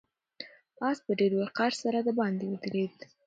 آس په ډېر وقار سره د باندې ودرېد.